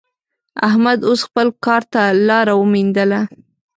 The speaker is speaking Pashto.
احمد اوس خپل کار ته لاره ومېندله.